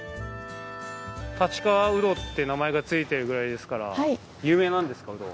うどって名前がついてるぐらいですから有名なんですか？